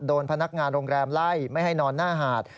พนักงานโรงแรมไล่ไม่ให้นอนหน้าหาด